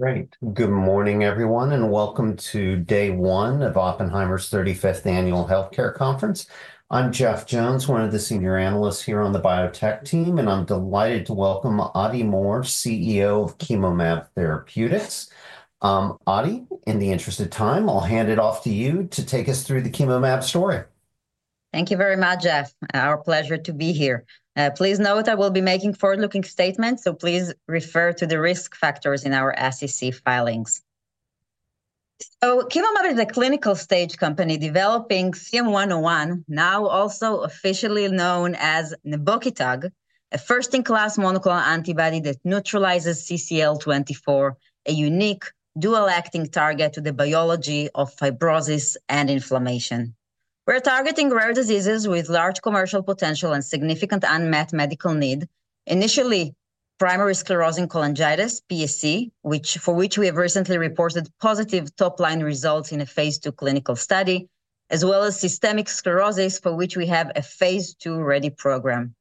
Great. Good morning, everyone, and welcome to day one of Oppenheimer's 35th Annual Healthcare Conference. I'm Jeff Jones, one of the senior analysts here on the biotech team, and I'm delighted to welcome Adi Mor, CEO of Chemomab Therapeutics. Adi, in the interest of time, I'll hand it off to you to take us through the Chemomab story. Thank you very much, Jeff. Our pleasure to be here. Please note I will be making forward-looking statements, so please refer to the risk factors in our SEC filings. Chemomab is a clinical stage company developing CM-101, now also officially known as Nebokitug, a first-in-class monoclonal antibody that neutralizes CCL24, a unique dual-acting target to the biology of fibrosis and inflammation. We're targeting rare diseases with large commercial potential and significant unmet medical need. Initially, primary sclerosing cholangitis, PSC, for which we have recently reported positive top-line results in a Phase II clinical study, as well as systemic sclerosis, for which we have a Phase II ready program.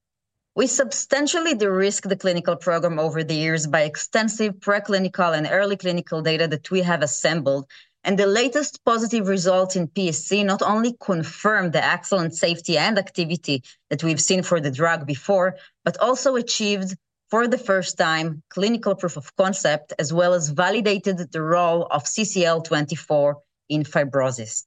We substantially de-risked the clinical program over the years by extensive preclinical and early clinical data that we have assembled, and the latest positive results in PSC not only confirmed the excellent safety and activity that we've seen for the drug before, but also achieved, for the first time, clinical proof of concept, as well as validated the role of CCL24 in fibrosis.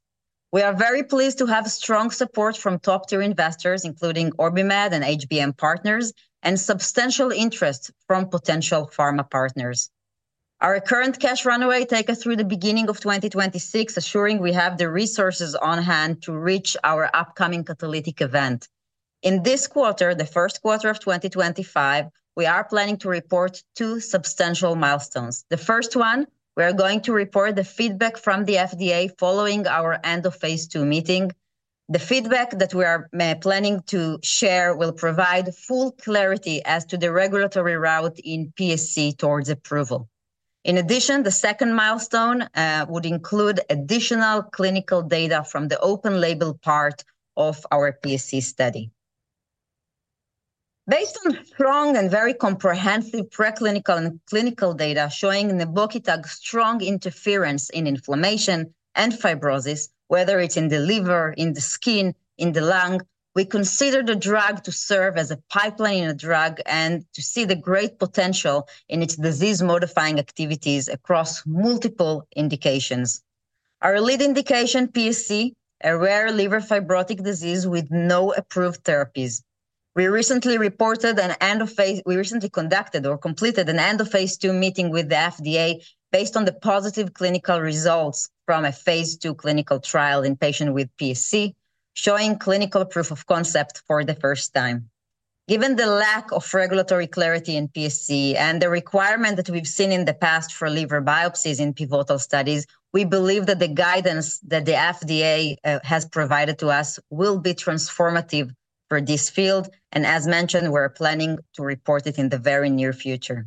We are very pleased to have strong support from top-tier investors, including OrbiMed and HBM Partners, and substantial interest from potential pharma partners. Our current cash runway takes us through the beginning of 2026, assuring we have the resources on hand to reach our upcoming catalytic event. In this quarter, the first quarter of 2025, we are planning to report two substantial milestones. The first one, we're going to report the feedback from the FDA following our end of Phase II meeting. The feedback that we are planning to share will provide full clarity as to the regulatory route in PSC towards approval. In addition, the second milestone would include additional clinical data from the open-label part of our PSC study. Based on strong and very comprehensive preclinical and clinical data showing Nebokitug's strong interference in inflammation and fibrosis, whether it's in the liver, in the skin, or in the lung, we consider the drug to serve as a pipeline in a drug and to see the great potential in its disease-modifying activities across multiple indications. Our lead indication, PSC, is a rare liver fibrotic disease with no approved therapies. We recently conducted or completed an end of Phase II meeting with the FDA based on the positive clinical results from a Phase II clinical trial in patients with PSC, showing clinical proof of concept for the first time. Given the lack of regulatory clarity in PSC and the requirement that we've seen in the past for liver biopsies in pivotal studies, we believe that the guidance that the FDA has provided to us will be transformative for this field, and as mentioned, we're planning to report it in the very near future.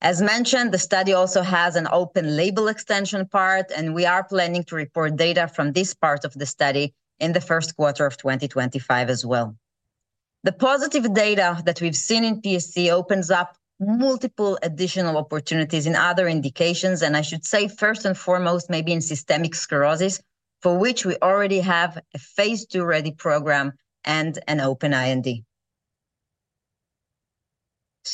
As mentioned, the study also has an open-label extension part, and we are planning to report data from this part of the study in the first quarter of 2025 as well. The positive data that we've seen in PSC opens up multiple additional opportunities in other indications, and I should say first and foremost, maybe in systemic sclerosis, for which we already have a Phase II ready program and an open IND.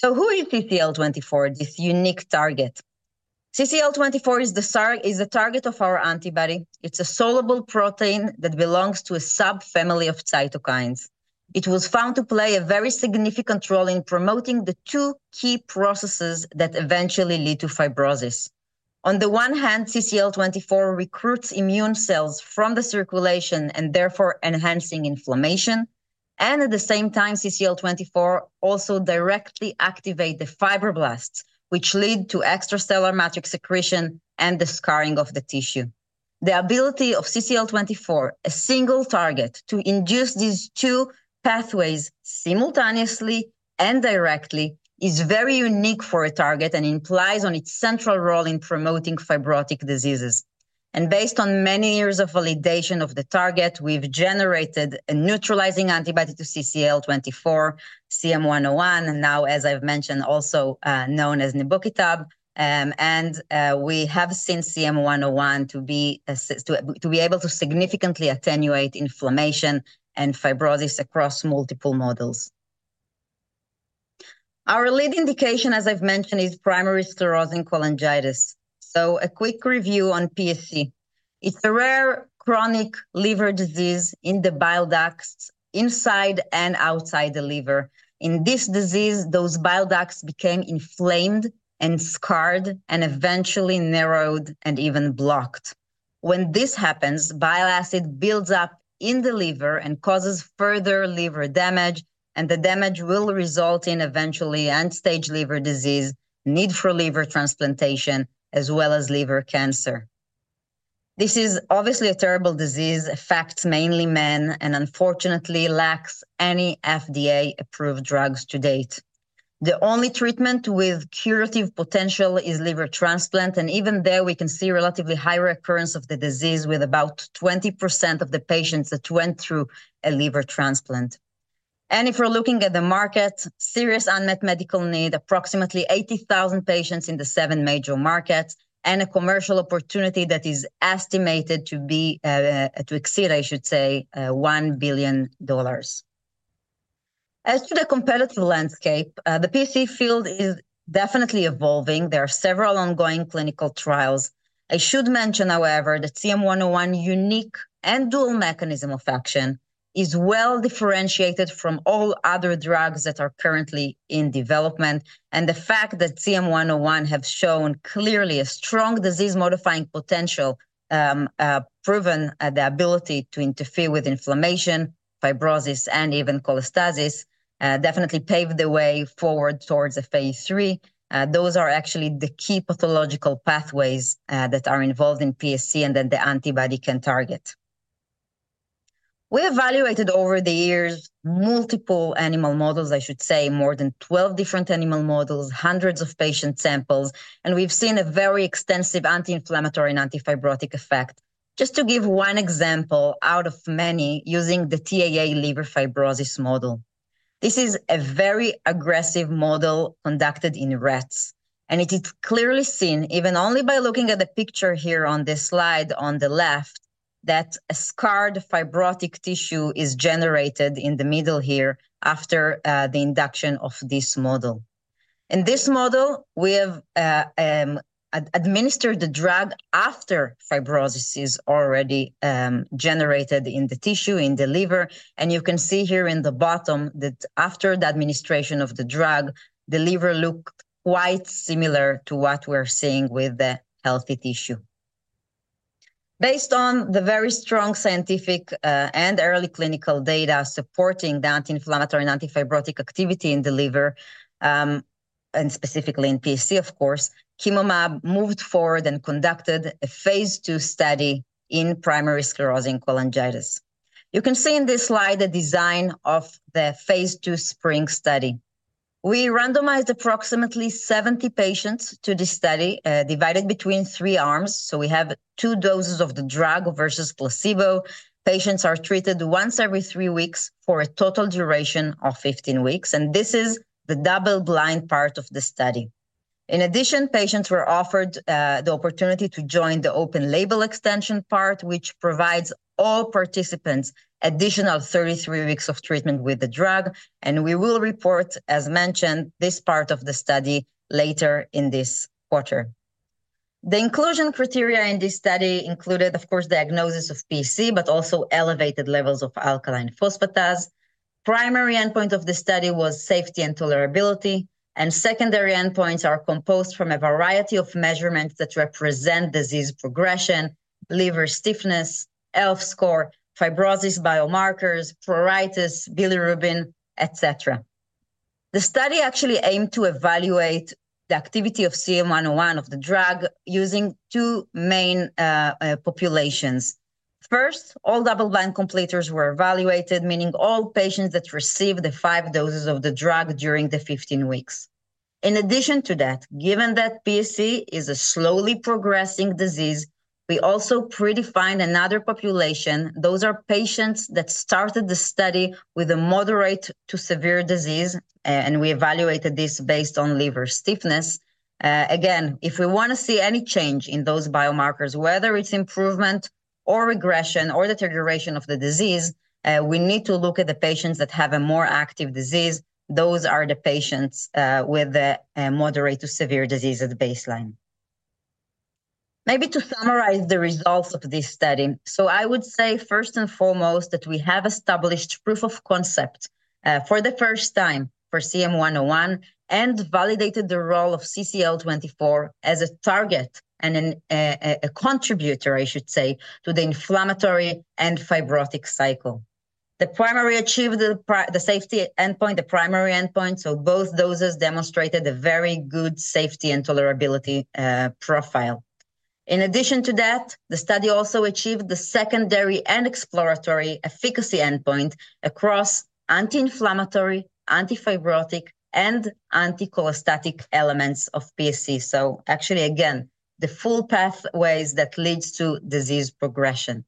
Who is CCL24, this unique target? CCL24 is the target of our antibody. It's a soluble protein that belongs to a subfamily of cytokines. It was found to play a very significant role in promoting the two key processes that eventually lead to fibrosis. On the one hand, CCL24 recruits immune cells from the circulation and therefore enhances inflammation, and at the same time, CCL24 also directly activates the fibroblasts, which lead to extracellular matrix secretion and the scarring of the tissue. The ability of CCL24, a single target, to induce these two pathways simultaneously and directly is very unique for a target and implies its central role in promoting fibrotic diseases. Based on many years of validation of the target, we've generated a neutralizing antibody to CCL24, CM-101, now, as I've mentioned, also known as Nebokitug, and we have seen CM-101 to be able to significantly attenuate inflammation and fibrosis across multiple models. Our lead indication, as I've mentioned, is primary sclerosing cholangitis. A quick review on PSC. It's a rare chronic liver disease in the bile ducts inside and outside the liver. In this disease, those bile ducts become inflamed and scarred and eventually narrowed and even blocked. When this happens, bile acid builds up in the liver and causes further liver damage, and the damage will result in eventually end-stage liver disease, need for liver transplantation, as well as liver cancer. This is obviously a terrible disease, affects mainly men, and unfortunately lacks any FDA-approved drugs to date. The only treatment with curative potential is liver transplant, and even there, we can see relatively high recurrence of the disease with about 20% of the patients that went through a liver transplant. If we're looking at the market, serious unmet medical need, approximately 80,000 patients in the seven major markets, and a commercial opportunity that is estimated to exceed, I should say, $1 billion. As to the competitive landscape, the PSC field is definitely evolving. There are several ongoing clinical trials. I should mention, however, that CM-101's unique and dual mechanism of action is well differentiated from all other drugs that are currently in development, and the fact that CM-101 has shown clearly a strong disease-modifying potential, proven the ability to interfere with inflammation, fibrosis, and even cholestasis, definitely paved the way forward towards a Phase III. Those are actually the key pathological pathways that are involved in PSC and that the antibody can target. We evaluated over the years multiple animal models, I should say, more than 12 different animal models, hundreds of patient samples, and we've seen a very extensive anti-inflammatory and antifibrotic effect. Just to give one example out of many using the TAA liver fibrosis model, this is a very aggressive model conducted in rats, and it is clearly seen, even only by looking at the picture here on this slide on the left, that a scarred fibrotic tissue is generated in the middle here after the induction of this model. In this model, we have administered the drug after fibrosis is already generated in the tissue in the liver, and you can see here in the bottom that after the administration of the drug, the liver looked quite similar to what we're seeing with the healthy tissue. Based on the very strong scientific and early clinical data supporting the anti-inflammatory and antifibrotic activity in the liver, and specifically in PSC, of course, Chemomab moved forward and conducted a Phase II study in primary sclerosing cholangitis. You can see in this slide the design of the Phase II SPRING study. We randomized approximately 70 patients to this study, divided between three arms, so we have two doses of the drug versus placebo. Patients are treated once every three weeks for a total duration of 15 weeks, and this is the double-blind part of the study. In addition, patients were offered the opportunity to join the open-label extension part, which provides all participants additional 33 weeks of treatment with the drug, and we will report, as mentioned, this part of the study later in this quarter. The inclusion criteria in this study included, of course, diagnosis of PSC, but also elevated levels of alkaline phosphatase. Primary endpoint of the study was safety and tolerability, and secondary endpoints are composed from a variety of measurements that represent disease progression, liver stiffness, ELF score, fibrosis biomarkers, pruritus, bilirubin, etc. The study actually aimed to evaluate the activity of CM-101 of the drug using two main populations. First, all double-blind completers were evaluated, meaning all patients that received the five doses of the drug during the 15 weeks. In addition to that, given that PSC is a slowly progressing disease, we also predefined another population. Those are patients that started the study with a moderate to severe disease, and we evaluated this based on liver stiffness. Again, if we want to see any change in those biomarkers, whether it's improvement or regression or deterioration of the disease, we need to look at the patients that have a more active disease. Those are the patients with a moderate to severe disease at baseline. Maybe to summarize the results of this study, I would say first and foremost that we have established proof of concept for the first time for CM-101 and validated the role of CCL24 as a target and a contributor, I should say, to the inflammatory and fibrotic cycle. The primary achieved the safety endpoint, the primary endpoint, so both doses demonstrated a very good safety and tolerability profile. In addition to that, the study also achieved the secondary and exploratory efficacy endpoint across anti-inflammatory, antifibrotic, and anti-cholestatic elements of PSC. Actually, again, the full pathways that lead to disease progression.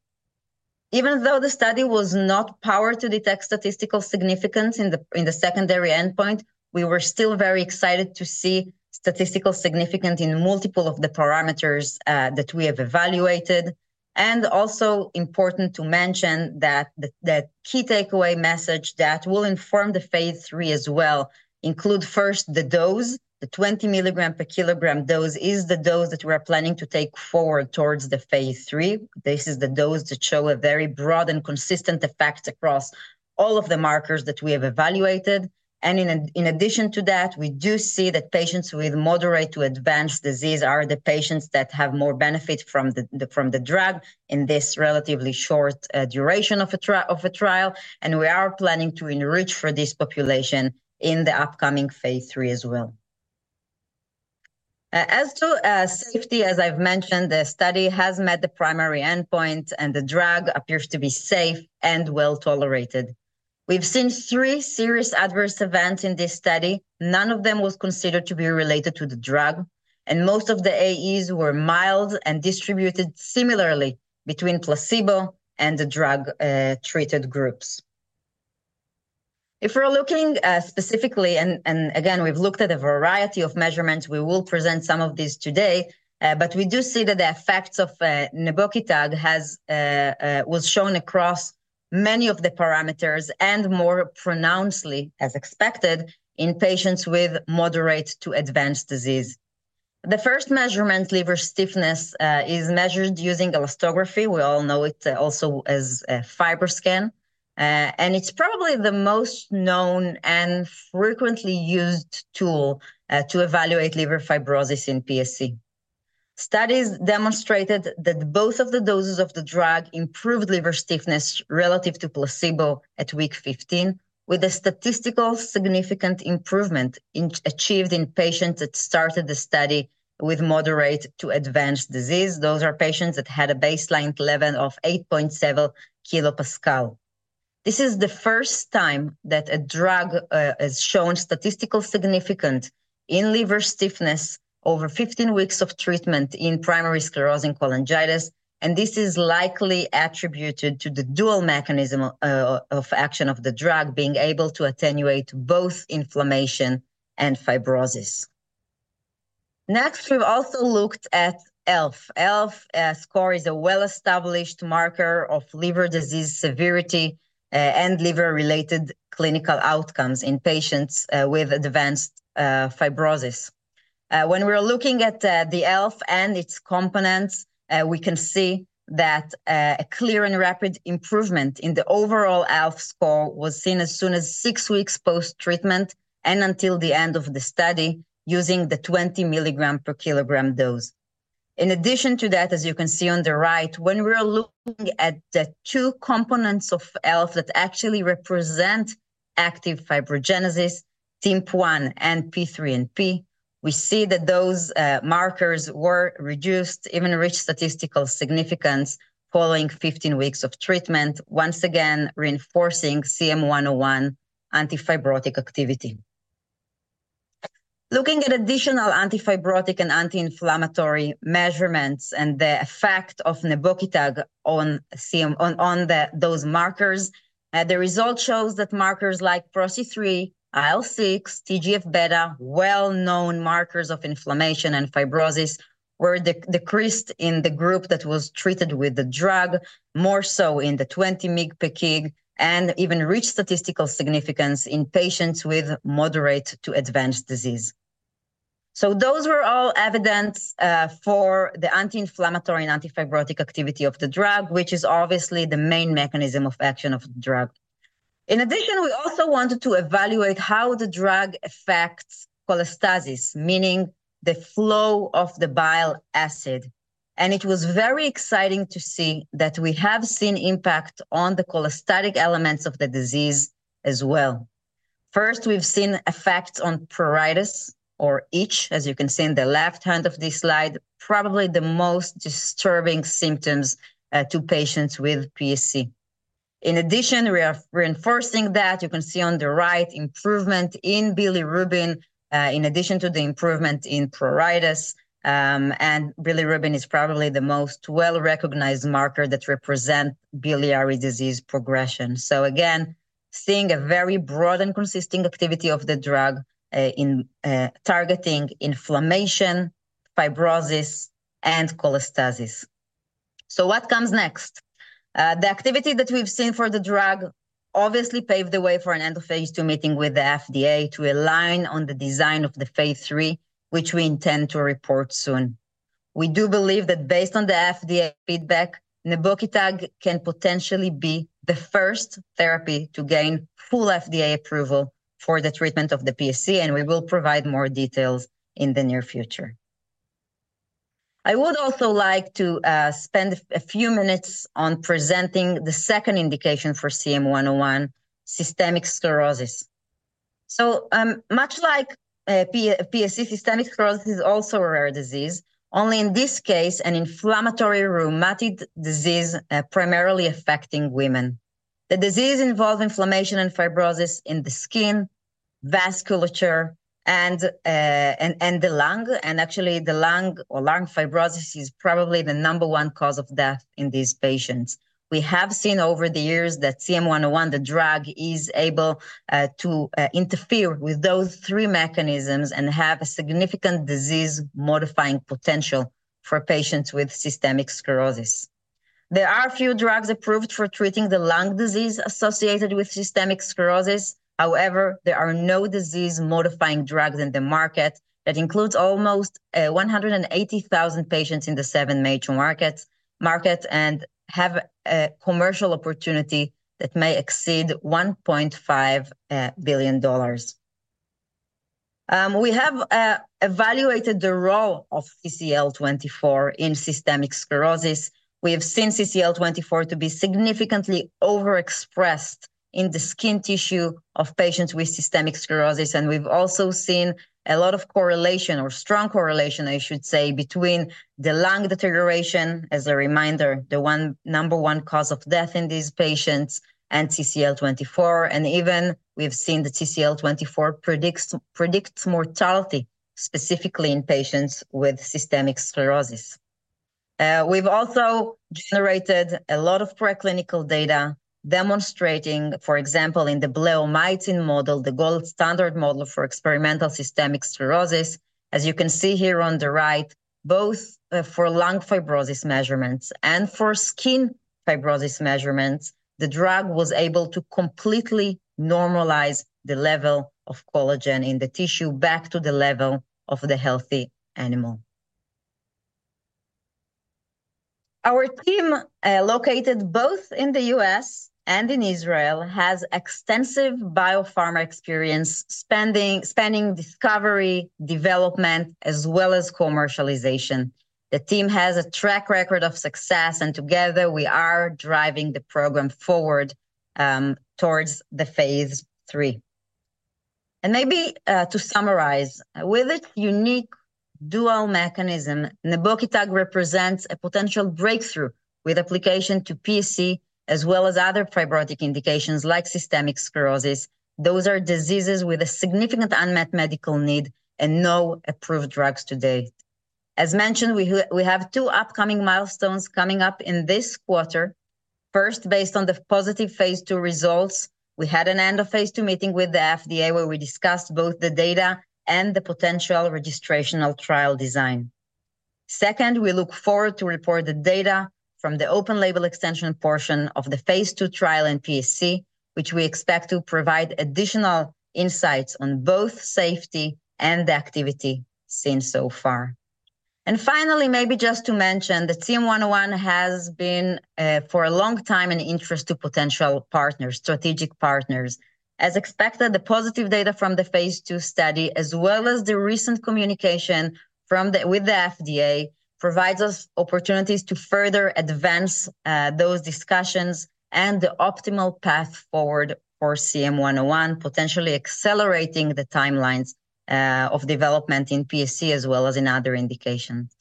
Even though the study was not powered to detect statistical significance in the secondary endpoint, we were still very excited to see statistical significance in multiple of the parameters that we have evaluated. is also important to mention that the key takeaway message that will inform the Phase III as well includes first the dose. The 20 milligram per kilogram dose is the dose that we are planning to take forward towards the Phase III. This is the dose that shows a very broad and consistent effect across all of the markers that we have evaluated. In addition to that, we do see that patients with moderate to advanced disease are the patients that have more benefit from the drug in this relatively short duration of a trial, and we are planning to enrich for this population in the upcoming Phase III as well. As to safety, as I've mentioned, the study has met the primary endpoint, and the drug appears to be safe and well tolerated. We've seen three serious adverse events in this study. None of them was considered to be related to the drug, and most of the AEs were mild and distributed similarly between placebo and the drug-treated groups. If we're looking specifically, and again, we've looked at a variety of measurements, we will present some of these today, but we do see that the effects of Nebokitug was shown across many of the parameters and more pronouncedly, as expected, in patients with moderate to advanced disease. The first measurement, liver stiffness, is measured using elastography. We all know it also as a FibroScan, and it's probably the most known and frequently used tool to evaluate liver fibrosis in PSC. Studies demonstrated that both of the doses of the drug improved liver stiffness relative to placebo at week 15, with a statistical significant improvement achieved in patients that started the study with moderate to advanced disease. Those are patients that had a baseline level of 8.7 kilopascal. This is the first time that a drug has shown statistical significance in liver stiffness over 15 weeks of treatment in primary sclerosing cholangitis, and this is likely attributed to the dual mechanism of action of the drug being able to attenuate both inflammation and fibrosis. Next, we've also looked at ELF. ELF score is a well-established marker of liver disease severity and liver-related clinical outcomes in patients with advanced fibrosis. When we're looking at the ELF and its components, we can see that a clear and rapid improvement in the overall ELF score was seen as soon as six weeks post-treatment and until the end of the study using the 20 milligram per kilogram dose. In addition to that, as you can see on the right, when we're looking at the two components of ELF that actually represent active fibrogenesis, TIMP1 and P3NP, we see that those markers were reduced, even reached statistical significance following 15 weeks of treatment, once again reinforcing CM-101 antifibrotic activity. Looking at additional antifibrotic and anti-inflammatory measurements and the effect of Nebokitug on those markers, the result shows that markers like P3NP, IL-6, TGF-β, well-known markers of inflammation and fibrosis, were decreased in the group that was treated with the drug, more so in the 20 mg per kg, and even reached statistical significance in patients with moderate to advanced disease. Those were all evidence for the anti-inflammatory and antifibrotic activity of the drug, which is obviously the main mechanism of action of the drug. In addition, we also wanted to evaluate how the drug affects cholestasis, meaning the flow of the bile acid, and it was very exciting to see that we have seen impact on the cholestatic elements of the disease as well. First, we've seen effects on pruritus or itch, as you can see in the left hand of this slide, probably the most disturbing symptoms to patients with PSC. In addition, we are reinforcing that you can see on the right improvement in bilirubin in addition to the improvement in pruritus, and bilirubin is probably the most well-recognized marker that represents biliary disease progression. Again, seeing a very broad and consistent activity of the drug in targeting inflammation, fibrosis, and cholestasis. What comes next? The activity that we've seen for the drug obviously paved the way for an end-Phase II meeting with the FDA to align on the design of the Phase III, which we intend to report soon. We do believe that based on the FDA feedback, Nebokitug can potentially be the first therapy to gain full FDA approval for the treatment of PSC, and we will provide more details in the near future. I would also like to spend a few minutes on presenting the second indication for CM-101, systemic sclerosis. Much like PSC, systemic sclerosis is also a rare disease, only in this case an inflammatory rheumatic disease primarily affecting women. The disease involves inflammation and fibrosis in the skin, vasculature, and the lung, and actually the lung or lung fibrosis is probably the number one cause of death in these patients. We have seen over the years that CM-101, the drug, is able to interfere with those three mechanisms and have a significant disease-modifying potential for patients with systemic sclerosis. There are a few drugs approved for treating the lung disease associated with systemic sclerosis. However, there are no disease-modifying drugs in the market that include almost 180,000 patients in the seven major markets and have a commercial opportunity that may exceed $1.5 billion. We have evaluated the role of CCL24 in systemic sclerosis. We have seen CCL24 to be significantly overexpressed in the skin tissue of patients with systemic sclerosis, and we've also seen a lot of correlation or strong correlation, I should say, between the lung deterioration, as a reminder, the number one cause of death in these patients, and CCL24, and even we've seen that CCL24 predicts mortality specifically in patients with systemic sclerosis. We've also generated a lot of preclinical data demonstrating, for example, in the bleomycin model, the gold standard model for experimental systemic sclerosis. As you can see here on the right, both for lung fibrosis measurements and for skin fibrosis measurements, the drug was able to completely normalize the level of collagen in the tissue back to the level of the healthy animal. Our team, located both in the US and in Israel, has extensive biopharma experience spanning discovery, development, as well as commercialization. The team has a track record of success, and together we are driving the program forward towards the Phase III. Maybe to summarize, with its unique dual mechanism, Nebokitug represents a potential breakthrough with application to PSC as well as other fibrotic indications like systemic sclerosis. Those are diseases with a significant unmet medical need and no approved drugs to date. As mentioned, we have two upcoming milestones coming up in this quarter. First, based on the positive Phase II results, we had an end-of-Phase II meeting with the FDA where we discussed both the data and the potential registrational trial design. Second, we look forward to report the data from the open label extension portion of the Phase II trial in PSC, which we expect to provide additional insights on both safety and activity seen so far. Finally, maybe just to mention, the CM-101 has been for a long time an interest to potential partners, strategic partners. As expected, the positive data from the Phase II study, as well as the recent communication with the FDA, provides us opportunities to further advance those discussions and the optimal path forward for CM-101, potentially accelerating the timelines of development in PSC as well as in other indications.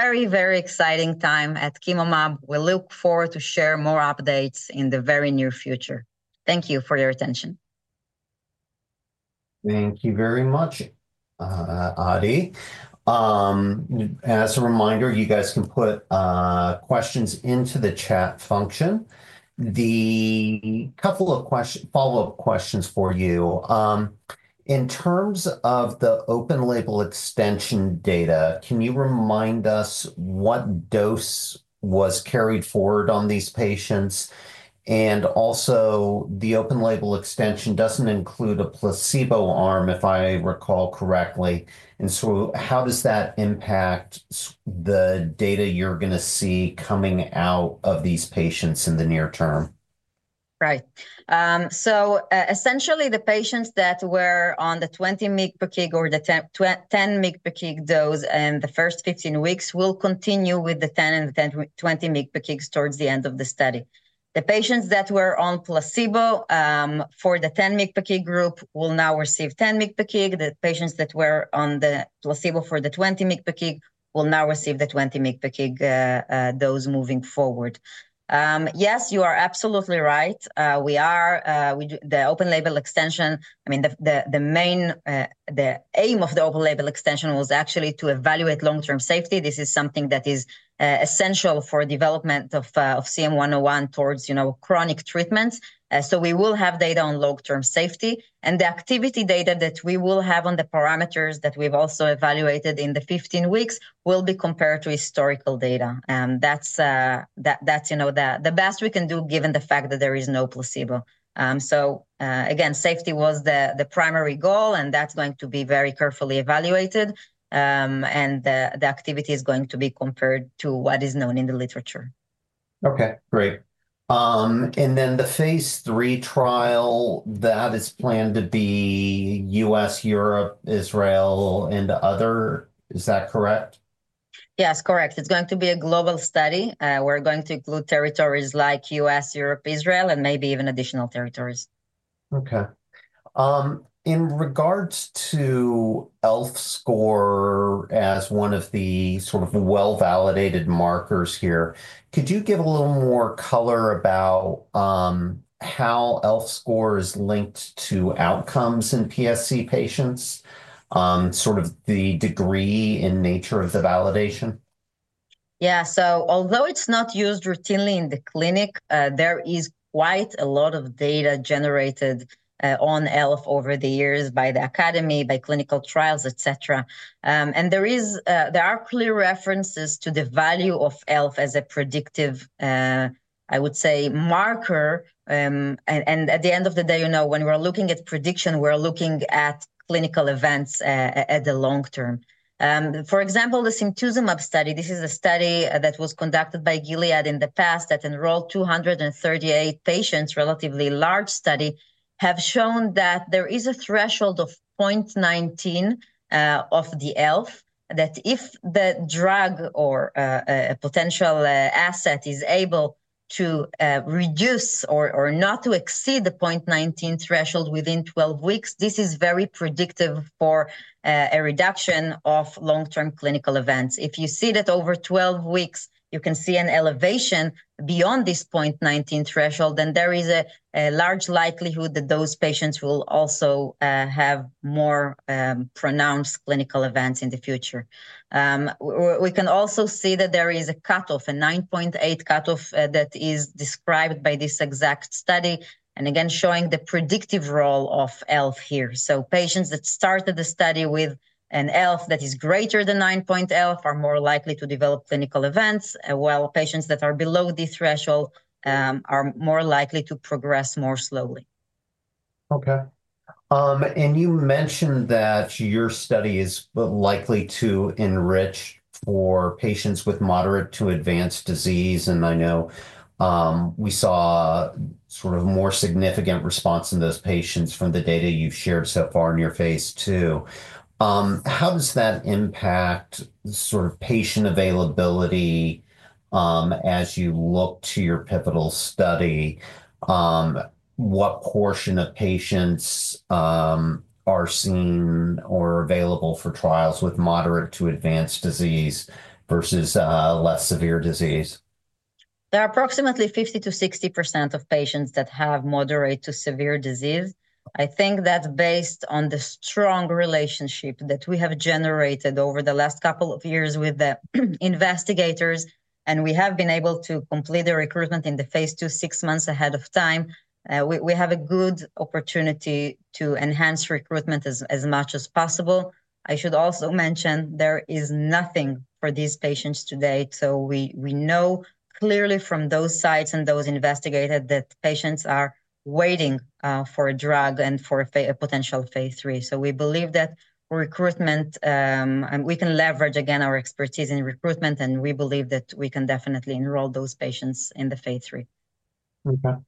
Very, very exciting time at Chemomab. We look forward to sharing more updates in the very near future. Thank you for your attention. Thank you very much, Adi. As a reminder, you guys can put questions into the chat function. A couple of follow-up questions for you. In terms of the open label extension data, can you remind us what dose was carried forward on these patients? Also, the open label extension doesn't include a placebo arm, if I recall correctly. How does that impact the data you're going to see coming out of these patients in the near term? Right. Essentially, the patients that were on the 20 mg per kg or the 10 mg per kg dose in the first 15 weeks will continue with the 10 and the 20 mg per kg towards the end of the study. The patients that were on placebo for the 10 mg per kg group will now receive 10 mg per kg. The patients that were on the placebo for the 20 mg per kg will now receive the 20 mg per kg dose moving forward. Yes, you are absolutely right. We are the open label extension. I mean, the main aim of the open label extension was actually to evaluate long-term safety. This is something that is essential for the development of CM-101 towards chronic treatment. So we will have data on long-term safety, and the activity data that we will have on the parameters that we've also evaluated in the 15 weeks will be compared to historical data. That's the best we can do given the fact that there is no placebo. Again, safety was the primary goal, and that's going to be very carefully evaluated, and the activity is going to be compared to what is known in the literature. Okay. Great. The Phase III trial, that is planned to be US, Europe, Israel, and other. Is that correct? Yes, correct. It's going to be a global study. We're going to include territories like US, Europe, Israel, and maybe even additional territories. Okay. In regards to ELF score as one of the sort of well-validated markers here, could you give a little more color about how ELF score is linked to outcomes in PSC patients, sort of the degree and nature of the validation? Yeah. Although it's not used routinely in the clinic, there is quite a lot of data generated on ELF over the years by the academy, by clinical trials, etc. There are clear references to the value of ELF as a predictive, I would say, marker. At the end of the day, when we're looking at prediction, we're looking at clinical events at the long term. For example, the Simtuzumab study, this is a study that was conducted by Gilead in the past that enrolled 238 patients, a relatively large study, has shown that there is a threshold of 0.19 of the ELF, that if the drug or a potential asset is able to reduce or not to exceed the 0.19 threshold within 12 weeks, this is very predictive for a reduction of long-term clinical events. If you see that over 12 weeks, you can see an elevation beyond this 0.19 threshold, then there is a large likelihood that those patients will also have more pronounced clinical events in the future. We can also see that there is a cutoff, a 9.8 cutoff that is described by this exact study, again, showing the predictive role of ELF here. Patients that started the study with an ELF that is greater than 9.0 are more likely to develop clinical events, while patients that are below the threshold are more likely to progress more slowly. Okay. You mentioned that your study is likely to enrich for patients with moderate to advanced disease, and I know we saw sort of more significant response in those patients from the data you've shared so far in your Phase II. How does that impact sort of patient availability as you look to your pivotal study? What portion of patients are seen or available for trials with moderate to advanced disease versus less severe disease? There are approximately 50-60% of patients that have moderate to severe disease. I think that's based on the strong relationship that we have generated over the last couple of years with the investigators, and we have been able to complete the recruitment in the Phase II six months ahead of time. We have a good opportunity to enhance recruitment as much as possible. I should also mention there is nothing for these patients to date. We know clearly from those sites and those investigators that patients are waiting for a drug and for a potential Phase III. We believe that recruitment, we can leverage again our expertise in recruitment, and we believe that we can definitely enroll those patients in the Phase III. Okay.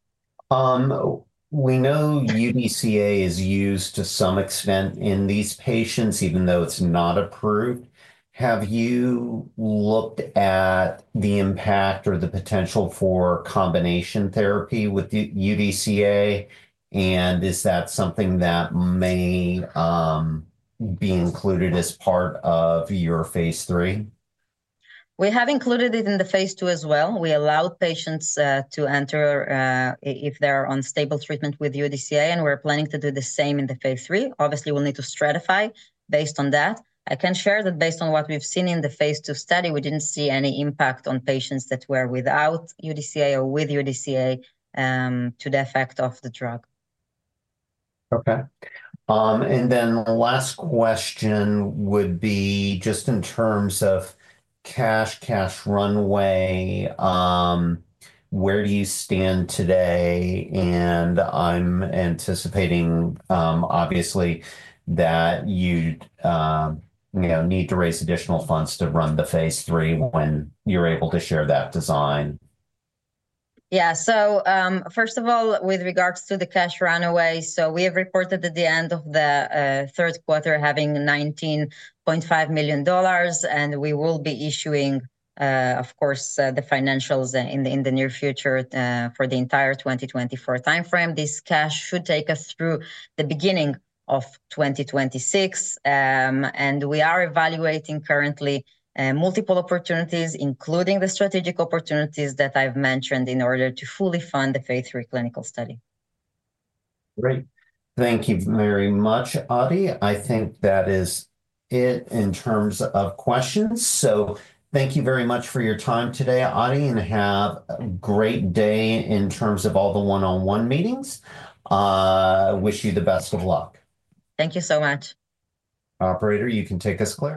We know UDCA is used to some extent in these patients, even though it's not approved. Have you looked at the impact or the potential for combination therapy with UDCA, and is that something that may be included as part of your Phase III? We have included it in the Phase II as well. We allowed patients to enter if they are on stable treatment with UDCA, and we're planning to do the same in the Phase III. Obviously, we'll need to stratify based on that. I can share that based on what we've seen in the Phase II study, we didn't see any impact on patients that were without UDCA or with UDCA to the effect of the drug. Okay. The last question would be just in terms of cash, cash runway, where do you stand today? I'm anticipating, obviously, that you need to raise additional funds to run the Phase III when you're able to share that design. Yeah. First of all, with regards to the cash runway, we have reported at the end of the third quarter having $19.5 million, and we will be issuing, of course, the financials in the near future for the entire 2024 timeframe. This cash should take us through the beginning of 2026, and we are evaluating currently multiple opportunities, including the strategic opportunities that I've mentioned in order to fully fund the Phase III clinical study. Great. Thank you very much, Adi. I think that is it in terms of questions. Thank you very much for your time today, Adi, and have a great day in terms of all the one-on-one meetings. I wish you the best of luck. Thank you so much. Operator, you can take us clear.